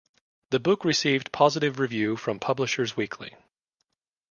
The book received positive review from Publishers Weekly.